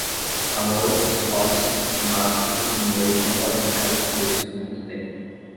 Amor, tosse, fumaça e dinheiro não podem ficar escondidos por muito tempo.